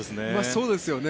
そうですよね。